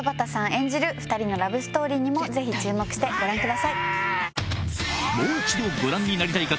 演じる２人のラブストーリーにもぜひ注目してご覧ください。